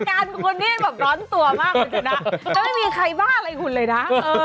การคุณนี่แบบร้อนตัวมากคุณชนะไม่มีใครบ้าอะไรคุณเลยนะ